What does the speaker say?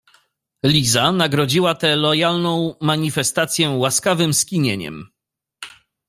Liza nagrodziła tę lojalną manifestację łaskawym skinieniem.